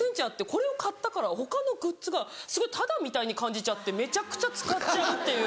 これを買ったから他のグッズがタダみたいに感じちゃってめちゃくちゃ使っちゃうっていう。